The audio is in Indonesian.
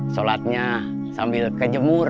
sholatnya sambil kejemur